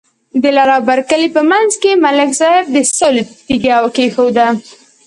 د لر او بر کلي په منځ کې ملک صاحب د سولې تیگه کېښوده.